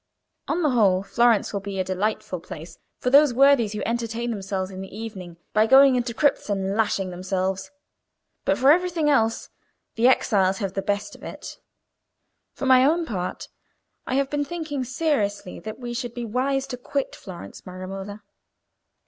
On the whole, Florence will be a delightful place for those worthies who entertain themselves in the evening by going into crypts and lashing themselves; but for everything else, the exiles have the best of it. For my own part, I have been thinking seriously that we should be wise to quit Florence, my Romola."